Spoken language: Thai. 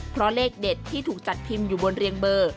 เพราะเลขเด็ดที่ถูกจัดพิมพ์อยู่บนเรียงเบอร์